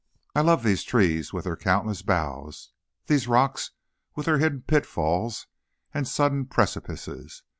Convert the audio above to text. I love these trees with their countless boughs; these rocks, with their hidden pitfalls and sudden precipices.